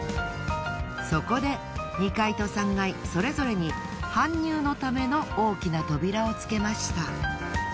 そこで２階と３階それぞれに搬入のための大きな扉をつけました。